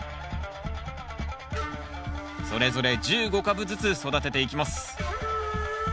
それぞれ１５株ずつ育てていきます